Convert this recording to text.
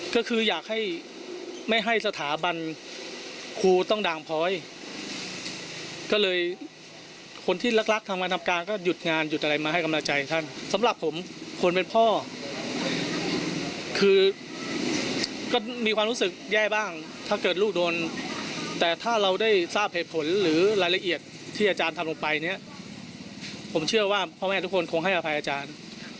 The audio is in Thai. ก็คืออยากให้ไม่ให้สถาบันครูต้องด่างพลอยก็เลยคนที่รักรักทำงานทำการก็หยุดงานหยุดอะไรมาให้กำลังใจท่านสำหรับผมคนเป็นพ่อคือก็มีความรู้สึกแย่บ้างถ้าเกิดลูกโดนแต่ถ้าเราได้ทราบเหตุผลหรือรายละเอียดที่อาจารย์ทำลงไปเนี่ยผมเชื่อว่าพ่อแม่ทุกคนคงให้อภัยอาจารย์